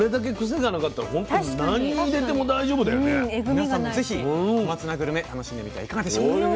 皆さんも是非小松菜グルメ楽しんでみてはいかがでしょうか。